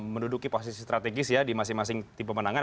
menduduki posisi strategis ya di masing masing tim pemenangan